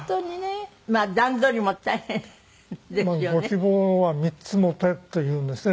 まあご希望は３つ持てというんですね。